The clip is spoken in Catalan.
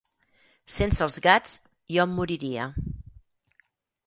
Sense els gats jo em moriria.